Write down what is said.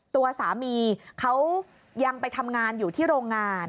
ตัวสามีเขายังไปทำงานอยู่ที่โรงงาน